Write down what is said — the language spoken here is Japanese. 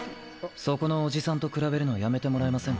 そこのおじさんと比べるのやめてもらえませんか。